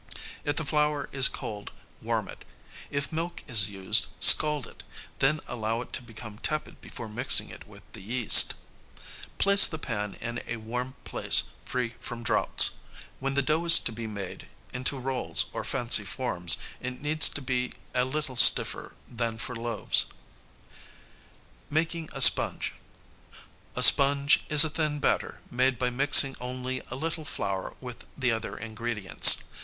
If the flour is cold warm it. If milk is used, scald it, then allow it to become tepid before mixing it with the yeast. Place the pan in a warm place free from draughts. When the dough is to be made into rolls or fancy forms, it needs to be a little stiffer than for loaves. [Sidenote: Making a sponge.] A sponge is a thin batter made by mixing only a little flour with the other ingredients.